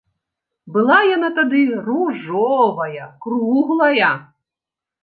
Была яна тады ружовая, круглая.